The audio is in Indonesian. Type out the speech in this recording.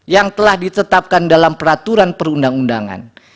yang telah ditetapkan dalam peraturan perundang undangan